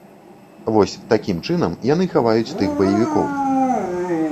Вось такім чынам яны хаваюць тых баевікоў.